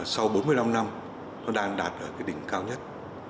sau bốn mươi năm năm nó đang đạt ở cái đỉnh cao nhất